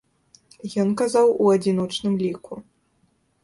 Ён казаў у адзіночным ліку.